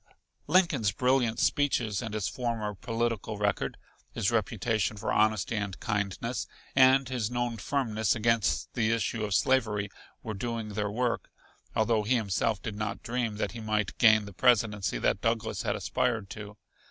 Lincoln's brilliant speeches and his former political record, his reputation for honesty and kindness, and his known firmness against the issue of slavery were doing their work, although he himself did not dream that he might gain the presidency that Douglas had aspired to.